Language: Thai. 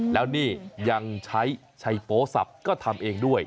แล้วนี่ยังใช้ชัยโป๊สับก็ทำเองด้วย